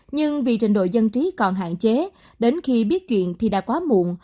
nhưng vì trình độ dân trí còn hạn chế đến khi biết chuyện thì đã quá muộn